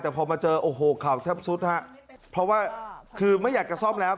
แต่พอมาเจอโอ้โหข่าวแทบสุดฮะเพราะว่าคือไม่อยากจะซ่อมแล้ว